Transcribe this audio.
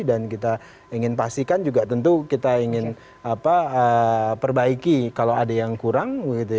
dan kita ingin pastikan juga tentu kita ingin perbaiki kalau ada yang kurang